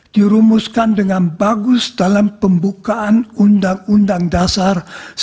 dirumuskan dengan bagus dalam pembukaan undang undang dasar seribu sembilan ratus empat puluh lima